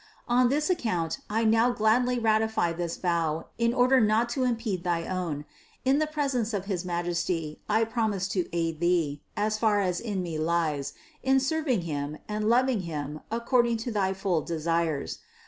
On this account I now gladly ratify this vow in order not to impede thy own; in the presence of his Majesty I promise to aid Thee, as far as in me lies, in serving Him and loving Him according to thy full desires.